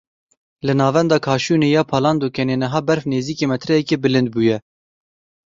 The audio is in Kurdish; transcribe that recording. Li Navenda Kaşûnê ya Palandokenê niha berf nêzîkî metreyekê bilind bûye.